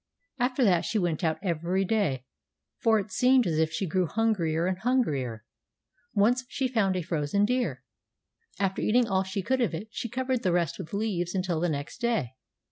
After that she went out every day, for it seemed as if she grew hungrier and hungrier. Once she found a frozen deer. After eating all she could of it she covered the rest with leaves until the next day.